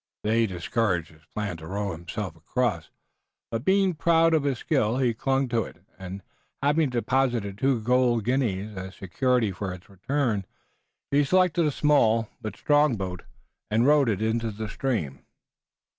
They discouraged his plan to row himself across, but being proud of his skill he clung to it, and, having deposited two golden guineas as security for its return, he selected a small but strong boat and rowed into the stream.